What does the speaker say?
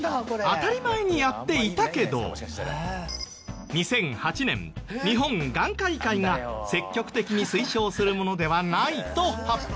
当たり前にやっていたけど２００８年日本眼科医会が積極的に推奨するものではないと発表。